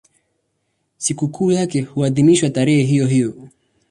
Sikukuu yake huadhimishwa tarehe hiyohiyo.